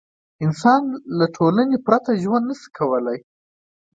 انسان له ټولنې پرته ژوند نه شي کولی.